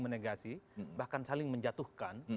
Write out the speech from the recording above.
menegasi bahkan saling menjatuhkan